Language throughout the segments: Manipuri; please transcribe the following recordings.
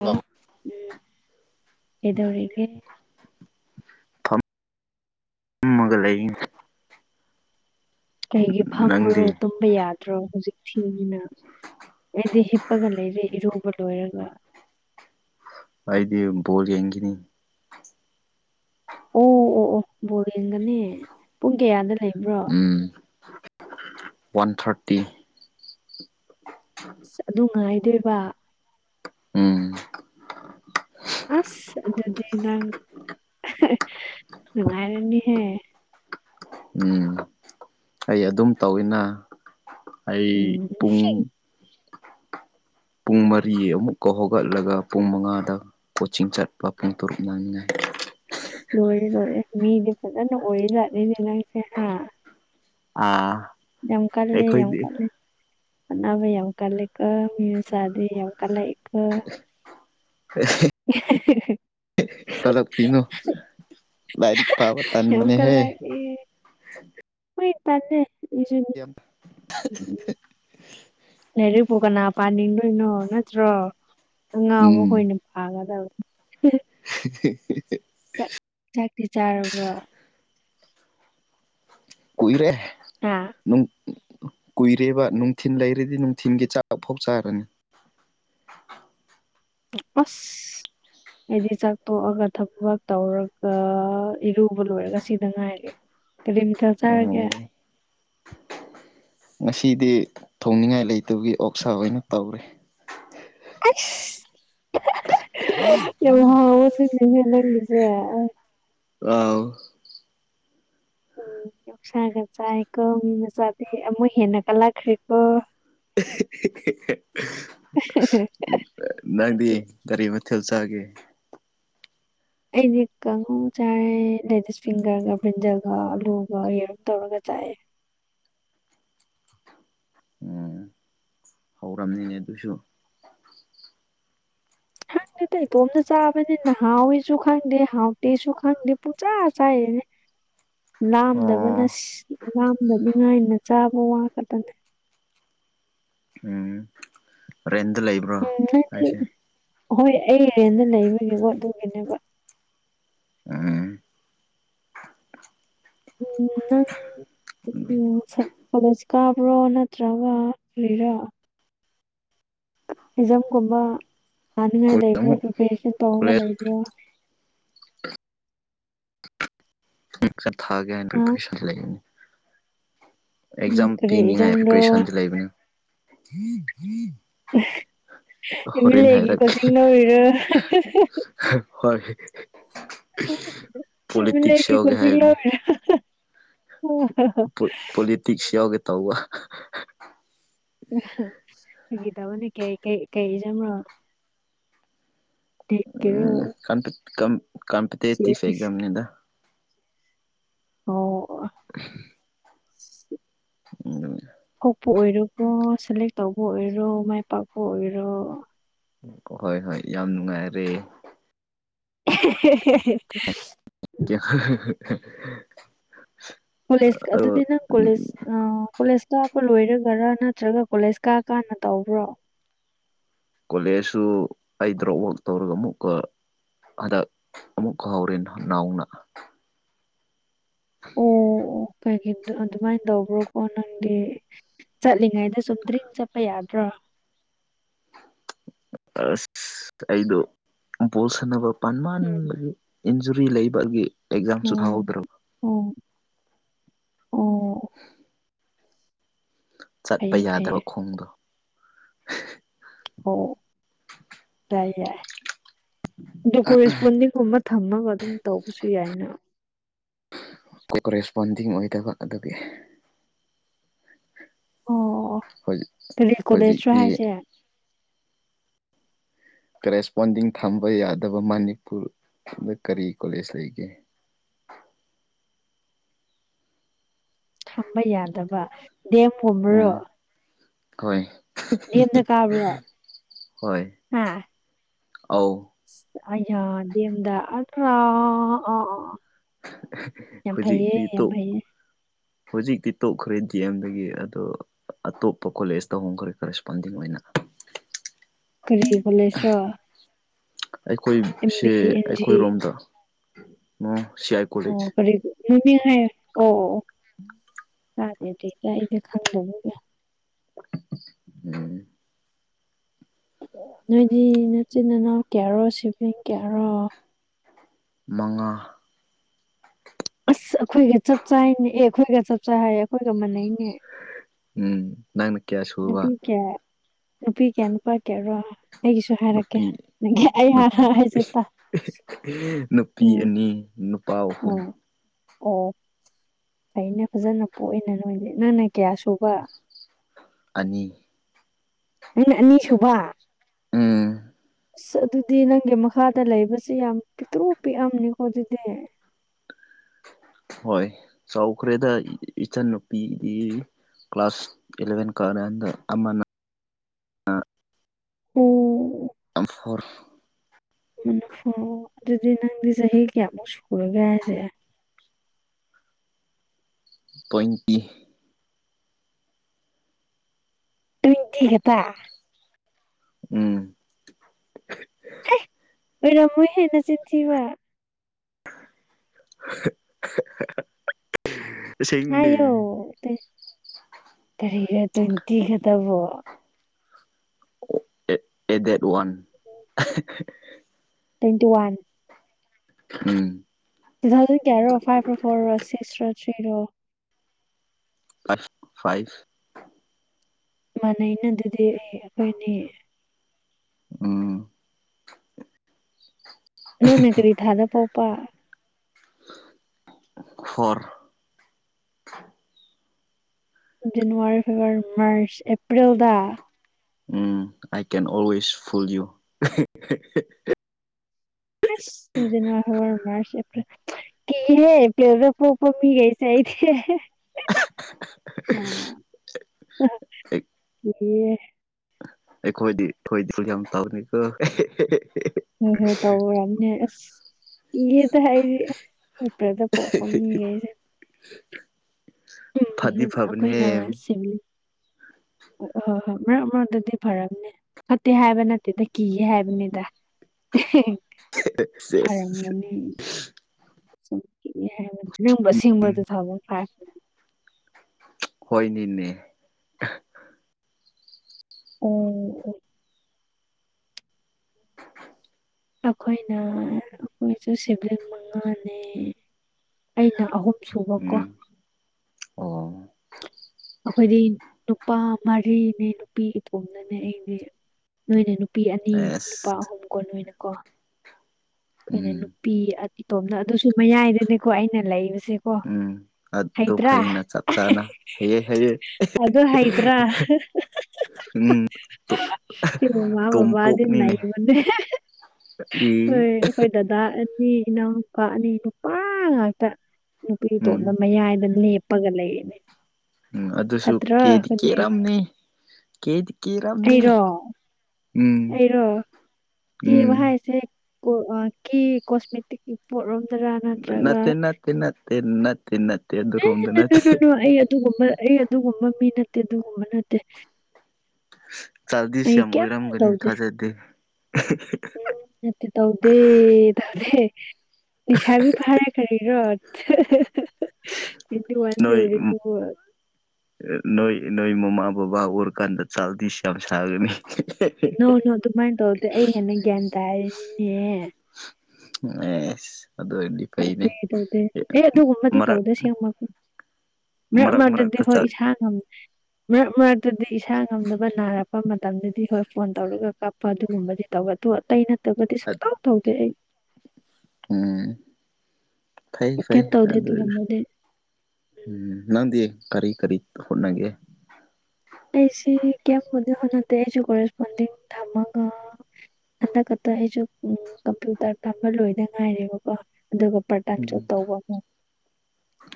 ꯍꯜꯂꯣ ꯏꯧꯔꯒ ꯃꯒ ꯂꯩ ꯀꯩꯒꯤ ꯐꯝꯃ꯭ꯔꯣ ꯅꯪꯗꯤ ꯇꯨꯝꯕ ꯌꯥꯗ꯭ꯔꯣ ꯍꯧꯖꯤꯛ ꯊꯤꯅꯤꯅ ꯑꯩꯗꯤ ꯐꯒ ꯂꯩꯔꯦ ꯏꯔꯨꯕ ꯂꯣꯏꯔꯒ ꯑꯩꯗꯤ ꯕꯣꯜ ꯌꯦꯡꯈꯤꯅꯤ ꯑꯣ ꯑꯣ ꯑꯣ ꯕꯣꯔꯦꯟꯒꯅꯤ ꯄꯨꯡ ꯀꯌꯥꯗ ꯂꯩꯕ꯭ꯔꯣ ꯎꯝ ꯋꯥꯟ ꯊꯥꯔꯇꯤ ꯑꯁ ꯑꯗꯨꯅꯨꯡꯉꯥꯏꯗꯣꯏꯕ ꯎꯝ ꯑꯁ ꯑꯗꯨꯗꯤꯅ ꯅꯥꯥꯏꯔꯅꯤ ꯍꯦ ꯎꯝ ꯑꯩ ꯑꯗꯨꯝ ꯇꯧꯅ ꯑꯩ ꯎꯝ ꯄꯨꯡ ꯄꯨꯡ ꯃꯔꯤ ꯑꯃꯨꯛꯀ ꯍꯧꯒꯠꯂꯒ ꯄꯨꯡ ꯃꯉꯥꯗ ꯄꯣꯆꯤꯡ ꯆꯠꯄ ꯄꯨꯡ ꯇꯔꯨꯛ ꯅꯥꯅꯤꯡꯉꯥꯏ ꯂꯣꯏꯔꯦ ꯂꯣꯏꯔꯦ ꯃꯤꯗꯤ ꯐꯖꯅ ꯑꯣꯏ ꯂꯥꯅꯤꯅꯦꯅꯁꯦ ꯍꯥ ꯑꯥ ꯌꯥꯝꯝ ꯀꯥꯟꯂꯦ ꯌꯥꯝꯦꯝ ꯑꯩꯈꯣꯏꯗꯤ ꯀꯥꯟꯂꯦ ꯅꯕ ꯌꯥꯝ ꯀꯥ ꯂꯩ ꯀ ꯃꯁꯗꯤꯦ ꯌꯥꯝ ꯀ ꯂꯩ ꯀ ꯍ ꯁꯤ ꯆꯖ ꯀꯅꯣ ꯂꯥꯏꯔꯤꯛ ꯄꯕ ꯇꯥꯟ ꯌꯥꯝ ꯃꯅꯤ ꯍꯦ ꯑꯩꯣꯏ ꯇꯅꯦꯦ ꯦꯝ ꯂꯥꯏꯔꯤꯛꯄꯨ ꯀꯅꯥ ꯄꯥꯅꯤꯡꯗꯣꯏꯅꯣ ꯅꯠꯇ꯭ꯔꯣ ꯎꯝ ꯑꯉꯥꯡꯕꯣꯏꯅ ꯐꯥꯒꯗꯕ [inaudible] ꯆꯥꯛꯔꯤ ꯆꯔ ꯀꯨꯏꯔꯦ ꯑꯥ ꯅꯨꯡ ꯀꯨꯏꯔꯦꯕ ꯅꯨꯡꯊꯤꯜ ꯂꯩꯔꯗꯤ ꯅꯨꯡ ꯊꯤꯝꯒꯤ ꯆꯥ ꯐꯥꯎ ꯆꯥꯔꯅꯤ ꯑꯁ ꯑꯩꯗꯤ ꯆꯥꯛꯇꯣꯛꯑꯒ ꯊꯕꯛ ꯇꯧꯔꯒ ꯏꯔꯨꯕ ꯂꯣꯏꯔꯒ ꯁꯤꯗ ꯉꯥꯏꯔꯦ ꯀꯤꯂꯤꯣꯃꯤꯇꯔ ꯆꯥꯔꯒꯦ ꯑꯣ ꯉꯁꯤꯗꯤ ꯊꯣꯡꯅꯤꯡꯉꯥꯏ ꯂꯩꯇꯕꯒꯤ ꯑꯣꯛꯁꯥ ꯑꯣꯏꯅ ꯇꯧꯔꯤꯦ ꯑ ꯂꯩꯖꯦ ꯑꯥꯎ ꯎ ꯌꯎꯁꯥꯒ ꯆꯥꯏꯀꯣ ꯃꯤ ꯃꯆꯥꯗ ꯑꯃꯨꯛ ꯍꯦꯟꯅ ꯀꯜꯂꯛꯈ꯭ꯔꯦꯀꯣ [inaudible] [inaudible] ꯖꯒꯦ ꯑꯩꯗꯤ ꯀꯥꯡꯉꯨ ꯆꯥꯔꯦ ꯂꯦꯗꯤꯁ ꯐꯤꯡꯒꯔꯒ ꯕ꯭ꯔꯤꯟꯖꯜꯒ ꯑꯂꯨꯒ ꯌꯦꯔꯨꯝ ꯇꯧꯔꯒ ꯆꯌꯦ ꯎꯝ ꯍꯧꯔꯝꯅꯤꯅꯦ ꯑꯗꯨꯁꯨ ꯍ ꯏꯇꯣꯝꯇ ꯆꯥꯕꯅꯤ ꯅꯍꯥꯏꯁꯨ ꯈꯪꯗꯦ ꯍꯥꯎꯇꯦꯁꯨ ꯈꯪꯗꯦ ꯄꯨꯆꯥꯥ ꯆꯥꯏꯌꯦꯅꯦ ꯂꯥꯝꯗꯕꯅ ꯑꯣ ꯂꯥꯝꯗꯅꯤꯉꯥꯏꯅ ꯆꯥꯕ ꯋꯥꯈꯛꯇꯅꯦ ꯎꯝ ꯔꯦꯟꯗ ꯂꯩꯕ꯭ꯔꯣ ꯎꯝ ꯅꯪꯗꯤ ꯍꯥꯏꯁꯦ ꯍꯣꯏ ꯑꯩ ꯍꯔꯦꯟꯗ ꯂꯩꯕꯒꯤꯀꯣ ꯑꯗꯨꯒꯤꯅꯦꯕ ꯎꯝ ꯎꯝ ꯎꯝ ꯀꯗꯁ ꯀꯥꯕ꯭ꯔꯣ ꯅꯠꯇ꯭ꯔꯒ ꯂꯩꯔꯣ ꯑꯦꯛꯖꯥꯝꯒꯨꯝꯕ ꯊꯥꯅꯤꯡꯉꯥꯏ ꯀꯣꯂꯦꯖ ꯂꯩꯕ꯭ꯔꯣ ꯑꯃꯨꯛ ꯄ꯭ꯔꯤꯄꯦꯔꯦꯁꯟ ꯇꯧꯔꯒ ꯀꯣꯂꯦꯖ ꯂꯩꯕ꯭ꯔꯣ [inaudible] ꯊꯥꯒꯦ ꯍꯥꯏꯅ ꯍꯥ ꯄ꯭ꯔꯤꯄꯦꯔꯦꯁꯟ ꯂꯩꯅꯤ ꯎꯝ ꯑꯦꯛꯖꯥꯝ ꯀꯔꯤ ꯄꯤꯅꯤꯡꯉꯥꯏ ꯑꯦꯛꯖꯥꯝꯔꯣ ꯄ꯭ꯔꯤꯄꯔꯦꯁꯟꯗꯤ ꯂꯩꯕꯅꯤ ꯑꯦꯝ ꯑꯦꯜ ꯍꯔꯦꯟ ꯑꯦꯒꯤ ꯅꯥꯏꯔꯒ ꯀꯣꯆꯤꯡ ꯂꯧꯔꯤꯔꯣ ꯍꯣꯏ ꯂ ꯄꯣꯂꯤꯇꯤꯛꯁ ꯌꯥꯎꯒꯦ ꯀꯁꯤ ꯍꯥꯏꯕꯅꯤ ꯄꯣꯂꯤꯇꯤꯛꯁ ꯌꯥꯎꯒꯦ ꯇꯧꯕꯧꯕ ꯐꯗꯕꯅꯤ ꯀꯩꯩ ꯀꯩ ꯆ꯭ꯔꯣ q ꯀꯝ ꯀꯝꯄꯇꯤ ꯐꯦꯦꯛꯒꯝꯅꯤꯗ ꯑꯣ [inaudible] ꯎ ꯀꯣꯛꯄ ꯑꯣꯏꯔꯕꯣ ꯁꯦꯂꯦꯛ ꯇꯧꯕ ꯑꯣꯏꯔꯣ ꯃꯥꯏ ꯄꯥꯛꯄ ꯑꯣꯏꯔꯣ ꯍꯣꯏ ꯍꯣꯏ ꯌꯥꯝ ꯅꯨꯡꯉꯥꯏꯔꯦ [inaudible] ꯀ ꯀꯣꯂꯦꯁ ꯑꯗꯨꯗꯤꯪ ꯀꯣꯂꯦꯁ ꯑ ꯀꯣꯂꯦꯁ ꯇꯥꯛꯄ ꯂꯣꯏꯔꯒꯔꯥ ꯅꯠꯇ꯭ꯔꯒ ꯀꯣꯂꯦꯖ ꯀꯛ ꯀꯥꯟꯅ ꯇꯧꯕ꯭ꯔꯣ ꯀꯣꯂꯦꯖꯁꯨ ꯑꯩ ꯗ꯭ꯔꯣꯞ ꯋꯥꯛ ꯇꯧꯔꯒ ꯑꯃꯨꯛꯀ ꯑꯗ ꯑꯃꯨꯛꯀ ꯍꯥꯎꯦꯟ ꯅꯅꯥꯎꯅ ꯑꯣ ꯀꯩꯒꯤ ꯑꯗꯨꯃꯥꯏꯅ ꯇꯧꯕ꯭ꯔꯣꯀꯣ ꯅꯪꯗꯤ ꯆꯠꯂꯤꯉꯩꯗ ꯆꯨꯝꯗ꯭ꯔꯤꯡ ꯆꯠꯄ ꯌꯥꯗ꯭ꯔꯣ ꯑꯁ ꯑꯩꯗꯣ ꯕꯣꯜ ꯁꯥꯟꯅꯕ ꯄꯥꯟ ꯃꯥꯟꯕꯒꯤ ꯏꯟꯖꯨꯔꯤ ꯂꯩꯕꯒꯤ ꯑꯦꯛꯖꯥꯝꯁꯨ ꯎꯝ ꯊꯥꯍꯧꯗ꯭ꯔꯕ ꯑꯣ ꯑꯣ ꯑꯣ ꯆꯠꯄ ꯐꯩꯌꯦ ꯐꯩꯌꯦ ꯌꯥꯗ꯭ꯔꯕ ꯈꯣꯡꯗꯣ ꯍ ꯇꯏ ꯀꯨꯋꯁꯄꯟꯅꯤ ꯍꯨ ꯊꯝꯃꯒ ꯑꯗꯨꯝ ꯇꯧꯕꯁꯨ ꯌꯥꯏꯅ ꯀꯣꯔꯦꯁꯄꯣꯟꯗꯤꯡ ꯑꯣꯏꯗꯕ ꯑꯗꯨꯒꯤ ꯖꯤ ꯑꯣ ꯀꯔꯤ ꯀꯣꯂꯦꯖꯁꯨ ꯍꯧꯖꯤꯛꯇꯤ ꯍꯥꯏꯁꯦ ꯀꯔꯦꯁꯄꯣꯟꯗꯤꯡ ꯊꯝꯕ ꯌꯥꯗꯕ ꯃꯅꯤꯄꯨꯔꯗ ꯀꯔꯤ ꯀꯣꯂꯦꯖ ꯂꯩꯒꯦ [inaudible] ꯊꯝꯕ ꯌꯥꯗꯕ ꯗꯦꯝ ꯄꯣꯃꯨꯔꯣ ꯎꯝ ꯍꯣꯏ ꯅ ꯀꯥꯕ꯭ꯔꯣ ꯍꯣꯏ ꯍꯥ ꯑꯧ ꯑꯗ ꯑꯗ꯭ꯔ ꯑ ꯌꯥꯝ ꯐꯥꯏꯌꯦ ꯍꯧꯖꯤꯛꯇꯤ ꯌꯥꯝ ꯇꯣꯛ ꯐꯩꯌꯦꯦ ꯍꯧꯖꯤꯛꯇꯤ ꯇꯣꯛꯈ꯭ꯔꯦ ꯗꯤ ꯑꯦꯝꯗꯒꯤ ꯑꯗꯣ ꯑꯇꯣꯞꯄ ꯀꯣꯂꯦꯖ ꯇ ꯍꯣꯡꯈ꯭ꯔꯦ ꯀꯔꯦꯁꯄꯣꯟꯗꯤꯡ ꯑꯣꯏꯅ ꯀꯔꯤ ꯀꯂꯦꯁ꯭ꯔꯣ ꯑꯩꯈꯣꯏꯁꯦ ꯖꯤ ꯑꯩꯈꯣꯏꯔꯣꯝꯗ ꯁꯤ ꯑꯥꯏ ꯑꯣ ꯀꯣꯂꯦꯖ ꯈꯔꯤ ꯃꯃꯤ ꯍꯥꯏ ꯑꯣ ꯑꯗꯨꯗꯩꯗ ꯑꯩꯁꯦ ꯈꯪꯗꯕꯒ ꯎꯝ ꯅꯣꯏꯗꯤ ꯅꯆꯤꯟ ꯏꯅꯥꯎ ꯀꯌꯥꯔꯣ ꯁꯤꯕꯂꯤꯡ ꯀꯌꯥꯔꯣ ꯃꯉꯥ ꯑꯁ ꯑꯩꯈꯣꯏꯒ ꯆꯞ ꯆꯥꯅꯦ ꯑꯦ ꯑꯩꯈꯣꯏꯒ ꯆꯞ ꯆꯥ ꯍꯥꯏꯌꯦ ꯑꯩꯈꯣꯏꯒ ꯃꯥꯟꯅꯩꯅꯦ ꯎꯝ ꯅꯪꯅ ꯀꯌꯥ ꯅꯨꯄꯤ ꯁꯨꯕ ꯀꯌꯥ ꯅꯨꯄꯤ ꯀꯌꯥ ꯅꯨꯄꯥ ꯀꯌꯥꯔꯣ ꯑꯩꯒꯤꯁꯨ ꯍꯥꯏꯔꯛꯀꯦ ꯅꯨꯄꯤ ꯅꯪ ꯑꯩ ꯅꯨꯄꯤ ꯍꯥꯏꯁꯦ ꯇ ꯅꯨꯄꯤ ꯑꯅꯤ ꯅꯨꯄꯥ ꯑꯍꯨꯝ ꯑꯣ ꯑꯣ ꯑꯩꯅ ꯐꯖꯅ ꯄꯣꯛꯏꯅ ꯂꯣꯏ ꯅꯪꯅ ꯀꯌꯥ ꯁꯨꯕ ꯑꯅꯤ ꯑꯩꯅ ꯑꯅꯤꯁꯨꯕ ꯎꯝ ꯑꯁ ꯑꯗꯨꯗꯤ ꯅꯪꯒꯤ ꯃꯈꯥꯗ ꯂꯩꯕꯁꯦ ꯌꯥꯝ ꯄꯤꯛꯇꯨ ꯄꯤꯛꯑꯝꯅꯤꯀꯣ ꯑꯗꯨꯗꯤ [inaudible] ꯍꯣꯏ ꯆꯥꯎꯈ꯭ꯔꯦꯗ ꯏꯆꯟꯟꯅꯨꯄꯤꯗꯤ ꯀ꯭ꯂꯥꯁꯥꯁ ꯑꯦꯂꯕꯦꯟ ꯀꯔꯗ ꯑꯃꯅ ꯎꯝ ꯅꯝ ꯐꯣꯔ ꯃꯅꯐ ꯑꯗꯨꯗꯤ ꯅꯪꯗꯤ ꯆꯍꯤ ꯀꯌꯥꯃꯨꯛ ꯁꯨꯔꯒꯦ ꯍꯥꯏꯁꯦ ꯇꯨꯋꯦꯟꯇꯤ ꯇꯨꯋꯦꯟꯇꯤ ꯈꯛꯇꯥ ꯎꯝ ꯍꯦꯢ ꯑꯣꯏꯔꯝꯃꯣꯏ ꯍꯦ ꯅꯆꯤꯟꯊꯤꯕ [inaudible] [inaudible] ꯍꯥꯏꯌꯣ ꯀꯔꯤꯔ ꯇ꯭ꯋꯦꯟꯇꯤꯒꯗꯕꯣ ꯑꯦꯗꯠ one [unintelligible] twenty one um two thousand ꯀꯌꯥꯔꯣ ꯐꯥꯏꯚ ꯔꯣ ꯐꯣꯔꯣ ꯁꯤꯛꯁ ꯔꯣ ꯊ꯭ꯔꯤ ꯔꯣ ꯐꯥꯏꯚ ꯃꯅꯩꯅ ꯑꯗꯨꯗꯤ ꯑꯩ ꯑꯩꯈꯣꯏ ꯑꯅꯤ ꯎꯝ ꯅꯪꯅ ꯀꯔꯤ ꯊꯥꯗ ꯄꯣꯄ ꯐꯣꯔ ꯖꯅꯨꯋꯥꯔꯤ ꯐꯦꯕ꯭ꯔꯨꯋꯥꯔꯤ ꯃꯥꯔꯆ ꯑꯦꯄ꯭ꯔꯤꯜꯗ um I can always full you ꯑꯅ ꯑꯚꯕꯔ ꯃꯥꯁ ꯑꯦꯄ꯭ꯔ [unintelligible] [unintelligible] [inaudible] ꯍ ꯑꯩꯈꯣꯏꯗꯤ ꯊꯣꯏꯗꯤ ꯌꯥꯝ ꯇꯧꯅꯤꯀꯣ ꯍꯣꯏ ꯍꯣꯏ ꯇꯧꯔꯝꯅꯦ ꯑꯁ ꯀꯤꯌꯦꯗ ꯑꯩꯗꯤ ꯗꯣꯛꯇꯔꯗ ꯄꯣꯛꯄ ꯃꯤꯒꯩꯁꯦ ꯎ ꯐꯗꯤ ꯎ ꯐꯕꯅꯦ ꯑꯩꯈꯣꯏꯅ ꯁꯤꯂꯤ ꯍꯣꯏ ꯍꯣꯏ ꯃꯔꯛ ꯃꯔꯛ ꯐꯔꯝꯅꯦ ꯐꯠꯇꯦ ꯍꯥꯏꯕ ꯅꯠꯇꯦꯗ ꯀꯤꯌꯦ ꯍꯥꯏꯕꯅꯤꯗ ꯁꯦꯁ ꯐꯔꯝꯒꯅꯤ ꯅꯪꯕꯨ ꯑꯁꯦꯡꯕ ꯇꯨꯊꯥꯎꯖꯟ ꯐꯥꯢꯐ ꯍꯣꯢꯅꯤꯅꯦ ꯑꯣ ꯑꯣ ꯑꯩꯈꯣꯏꯅ ꯑꯩꯈꯣꯏꯁꯨ ꯁꯤꯕꯤꯂꯤꯡ ꯃꯉꯥꯅꯦ ꯑꯩꯅ ꯑꯍꯨꯝ ꯁꯨꯕ ꯀꯣ ꯎꯝ ꯑꯣ ꯅꯨꯄꯥ ꯃꯔꯤꯅꯦ ꯅꯨꯄꯤꯇꯣꯝꯅꯅꯦ ꯑꯩꯗꯤ ꯅꯣꯏꯅ ꯅꯨꯄꯤ ꯑꯅꯤ ꯅꯨꯄꯥ ꯑꯦꯁ ꯑꯍꯨꯝ ꯀꯣꯟ ꯑꯣꯏꯅꯀꯣ ꯑꯩꯈꯣꯏꯅ ꯎꯝ ꯅꯨꯄꯤ ꯏꯇꯣꯝꯗ ꯑꯗꯨꯁꯨ ꯃꯌꯥꯏꯗꯅꯦꯀꯣ ꯑꯩꯅ ꯂꯩ ꯁꯦꯀꯣ ꯎꯝ ꯑꯗꯨ ꯍꯩꯇ꯭ꯔꯥ ꯐꯩꯅ ꯆꯞ ꯆꯥꯅ ꯍꯩꯌꯦ ꯍꯩꯌꯦ ꯑꯗꯣ ꯍꯩꯗ꯭ꯔꯥ ꯎꯝ ꯃꯥꯃ ꯕꯕꯥꯗꯤ ꯇꯣꯝꯄꯣꯛꯅꯤꯅꯦ ꯅꯩꯕꯅꯦ ꯍꯣꯏ ꯏ ꯑꯩꯈꯣꯏ ꯗꯗꯥ ꯑꯅꯤ ꯏꯅꯥꯎ ꯀ ꯑꯅꯤ ꯅꯨꯄꯥ ꯉꯥꯛꯇ ꯅꯨꯄꯤꯇꯣꯝꯗ ꯎꯝ ꯃꯌꯥꯏꯗ ꯂꯦꯞꯄꯒ ꯂꯩꯔꯅꯦ ꯎꯝ ꯑꯗꯨꯁꯨ ꯀꯦꯗꯤ ꯀꯦꯔꯝꯅꯤ ꯀꯦꯗꯤ ꯀꯦꯔꯝꯅꯤ ꯑꯩꯔꯣ ꯎꯝ ꯑꯩꯔꯣ ꯀꯦꯕ ꯎꯝ ꯍꯥꯏꯁꯦ ꯀꯦ ꯀꯣꯁꯃꯦꯇꯤꯛꯀꯤ ꯄꯣꯠꯔꯣ ꯭ꯔ ꯅꯠꯇ꯭ꯔꯒ ꯅꯠꯇꯦ ꯅꯠꯇꯦ ꯅꯠꯇꯦ ꯅꯠꯇꯦ ꯅꯠꯇꯦ ꯑꯗꯨꯔꯣꯝꯗ ꯅꯠꯇꯦ ꯅꯣꯅꯣꯅꯣꯅꯣ ꯑꯩ ꯑꯗꯨꯒꯨꯝꯕ ꯃꯤ ꯅꯠꯇꯦ ꯑꯗꯨꯒꯨꯝꯕ ꯅꯠꯇꯦ ꯆꯥꯢꯜꯗꯤꯁ ꯑꯩ ꯌꯥꯝ ꯀꯩꯝ ꯑꯣꯏꯔꯝꯒꯅꯤ ꯇꯧꯗꯦ ꯊꯥꯖꯗꯦ ꯎꯝ ꯃꯠꯇꯦ ꯇꯧꯗꯦ ꯇꯗꯦ ꯅꯤꯁꯥꯕꯤ ꯐꯥꯔꯦ ꯀꯔꯤꯔꯣ ꯇꯨꯢꯟꯇꯤ ꯋꯥꯟ ꯅꯣꯏ ꯁꯨꯔꯦ ꯍꯣꯏ ꯅꯣꯏ ꯅꯣꯏ ꯃꯃꯥ ꯕꯕꯥ ꯎꯔꯀꯥꯟꯗ ꯆꯥꯗꯤꯁ ꯌꯥꯝ ꯁꯥꯒꯅꯤ ꯅꯨꯅꯨ ꯑꯗꯨꯃꯥꯏꯅ ꯇꯧꯔꯗꯤꯦ ꯑꯩ ꯍꯦꯟꯅ ꯒ꯭ꯌꯥꯟ ꯇꯥꯔꯅꯦꯍ ꯁ ꯑꯗꯗꯤ ꯄꯥꯏꯩꯅ ꯇꯧꯗꯦ ꯇꯧꯗꯦ ꯑꯦ ꯑꯗꯨꯒꯨꯝꯕꯗꯤ ꯃꯔ ꯇꯧꯗꯦ ꯑꯁꯦꯡꯕ ꯃꯔꯛ ꯃꯔꯗꯗꯤ ꯍꯣꯏ ꯏꯁꯥ ꯉꯝ ꯃꯔꯛ ꯃꯔꯛꯇꯗꯤ ꯏꯁꯥ ꯉꯝꯅꯕ ꯅꯥꯔꯛꯄ ꯃꯇꯝꯗꯗꯤ ꯍꯣꯏ ꯐꯣꯟ ꯇꯧꯔꯒ ꯀꯥꯞꯄ ꯑꯗꯨꯒꯨꯝꯕꯗꯤ ꯇꯧꯋꯦ ꯑꯗꯨ ꯑꯇꯩꯩꯅ ꯇꯕꯨꯗꯤ ꯁꯨꯡꯇꯥꯎ ꯊꯧꯗꯦ ꯑꯩ ꯎꯝ ꯐꯩ ꯐꯩ ꯀꯩꯝ ꯇꯧꯗꯦ ꯑꯗꯨ ꯑꯗꯨꯒꯨꯝꯕꯗꯤ ꯎꯝ ꯅꯗꯤꯌꯦ ꯀꯔꯤ ꯀꯔꯤ ꯍꯣꯠꯅꯒꯦ ꯑꯩꯁꯤ ꯀꯌꯥ ꯃ ꯍꯗ ꯑꯩꯁꯨꯒꯔꯦꯁ ꯃꯗꯤ ꯊꯙꯃꯒ ꯍꯟꯗꯛꯀꯛꯇ ꯑꯩꯁꯨ ꯀꯝꯄ꯭ꯌꯨꯇꯔ ꯇꯝꯕ ꯂꯣꯏꯗ ꯉꯥꯏꯔꯦꯕꯀꯣ ꯑꯗꯨꯒ ꯄꯇꯥꯛꯁꯨ ꯎꯝ ꯇꯧꯕꯕꯨ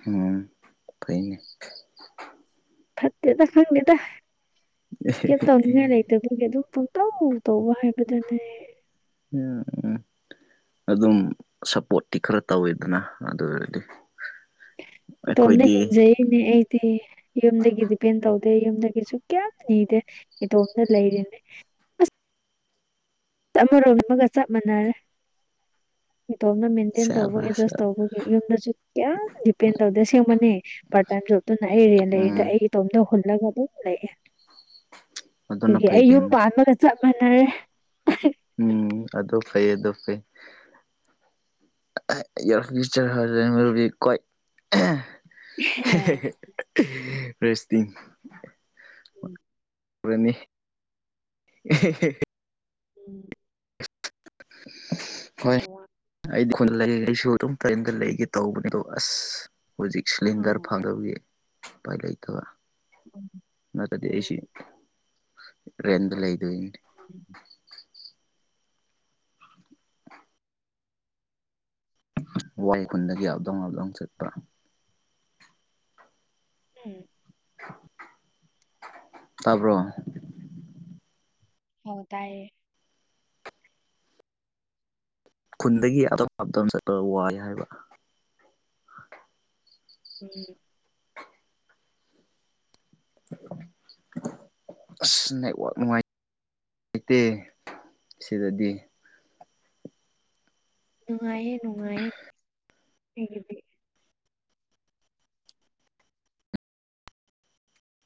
ꯎꯝ [inaudible] ꯐꯠꯇꯦꯗ ꯈꯪꯗꯦ ꯇ ꯀ ꯇꯉ ꯂꯩꯇ ꯐꯒꯦ ꯇ ꯇꯧꯇꯧ ꯑꯃꯨ ꯇꯧꯕ ꯍꯥꯏꯕꯗꯅꯦ ꯎꯝ ꯎꯝ ꯑꯗꯨꯝ ꯁꯞꯄꯣꯔꯠꯇꯤ ꯈꯔ ꯇꯧꯋꯤꯗꯅ ꯑꯗꯨ ꯑꯣꯏꯔꯗꯤ ꯏꯇꯣꯝꯇ ꯑꯩꯈꯣꯏꯗꯤ ꯍꯤꯡꯖꯩꯅꯦ ꯑꯩꯗꯤ ꯌꯨꯝꯗꯒꯤꯗꯤꯄꯦꯟ ꯇꯧꯗꯦ ꯑꯗ ꯌꯨꯝꯗꯒꯤꯁꯨ ꯀꯌꯥꯝ ꯅꯤꯗꯦ ꯏꯇꯣꯝꯅ ꯂꯩꯔꯤꯅꯦ ꯑ ꯆꯞꯃꯔꯣꯝ ꯑꯃꯒ ꯆꯞ ꯃꯥꯟꯅꯔꯦ ꯏꯇꯣꯝꯅ ꯃꯦꯟꯇꯦꯟ ꯇꯧꯕ ꯁꯦꯕꯥꯁ ꯑꯦꯗꯖꯁ ꯇꯧꯕꯒꯤ ꯌꯨꯝꯗꯁꯨ ꯀꯌꯥꯝ ꯗꯤꯄꯦꯟ ꯇꯧꯗꯦ ꯁꯦꯝꯕꯅꯦ ꯄꯥꯔꯇ ꯂꯣꯞꯇꯅ ꯑꯩ ꯔꯦꯟ ꯂꯩꯔꯤꯗ ꯎꯝ ꯑꯩꯒꯤ ꯇꯣꯝꯗ ꯍꯨꯂ ꯆꯂ ꯑꯗꯨꯝ ꯂꯩꯑꯦ ꯑꯗꯨꯅ ꯑꯗꯨꯒꯤ ꯐꯩ ꯑꯩ ꯌꯨꯝ ꯀꯩꯅꯣ ꯄꯥꯟꯕꯒ ꯆꯞ ꯃꯥꯟꯅꯔꯦ ꯎꯝ ꯑꯗꯨꯗꯣ ꯐꯩ ꯑꯗꯨꯗꯣ ꯐꯩ ꯌꯥꯔ ꯆꯔ ꯍꯕꯤ ꯀꯣꯏ ꯔꯦꯁꯇꯤꯟ ꯎꯝ ꯔꯦꯅꯤ ꯎꯝ ꯍꯣꯏ ꯑꯩꯗꯤ ꯑꯗꯨꯝꯝ ꯂꯩꯒꯦ ꯇꯧꯕꯅꯦ ꯑꯗꯣ ꯑꯁ ꯍꯧꯖꯤꯛ ꯁꯤꯂꯤꯟꯗꯔ ꯎꯝ ꯐꯪꯗꯧ ꯄꯂ ꯏ ꯀ ꯎꯝ ꯅꯇꯗꯤꯁꯤ ꯔ ꯑꯗꯨ ꯂꯩ ꯑꯗꯨ ꯎ ꯋꯥꯏ ꯈꯨꯟꯗꯒꯤ ꯑꯞꯗꯣꯡ ꯑꯞꯗꯣꯡ ꯆꯠꯄ꯭ꯔꯥ ꯎꯝ ꯇꯥꯔꯕꯣ ꯍ ꯇꯌꯦ ꯈꯨꯟꯗꯒꯤ ꯑꯇꯣꯞ ꯑꯇ ꯆꯠꯄ ꯋꯥꯏ ꯍꯥꯏꯕ ꯎꯝ ꯑꯁ ꯅꯦꯠꯋꯥꯛ ꯅꯨꯡꯉꯥꯏ ꯂꯩꯇꯦ ꯁꯤꯗꯗꯤ ꯅꯨꯡꯉꯥꯏꯌꯦ ꯅꯨꯡꯉꯥꯏꯌꯦ